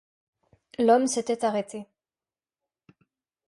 L'homme s'était arrêté.